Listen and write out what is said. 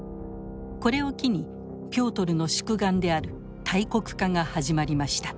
これを機にピョートルの宿願である大国化が始まりました。